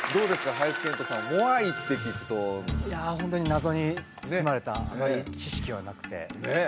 林遣都さんモアイって聞くといやホントに謎に包まれたあまり知識はなくてねえ